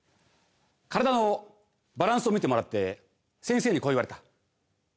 体のバランスを見てもらって先生にこう言われた。